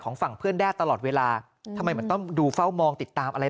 ฝั่งเพื่อนแด้ตลอดเวลาทำไมเหมือนต้องดูเฝ้ามองติดตามอะไร